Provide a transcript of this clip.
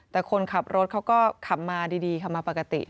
แต่คนขับรถเขาก็ขับมาดีขับมาปกติ